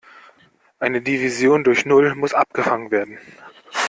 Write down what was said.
Eine Division durch Null muss abgefangen werden.